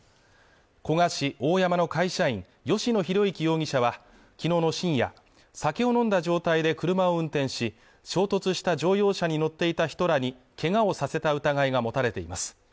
古河市大山の会社員吉野浩之容疑者は昨日の深夜酒を飲んだ状態で車を運転し衝突した乗用車に乗っていた人らにけがをさせた疑いが持たれています